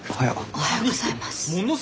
おはようございます。